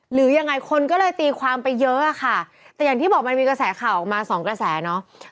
หรือยังไงคนก็เลยตีความไปเยอะอะค่ะแต่อย่างที่บอกมันมีกระแสข่าวออกมาสองกระแสเนาะ